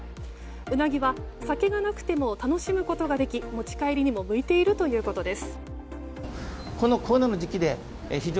うなぎは酒がなくても楽しむことができ、持ち帰りにも向いているということです。